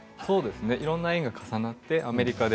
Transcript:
いろんな縁が重なってアメリカで。